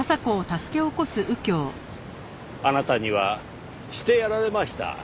あなたにはしてやられました。